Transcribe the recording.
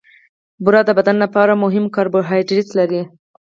بوره د بدن لپاره مهم کاربوهایډریټ لري.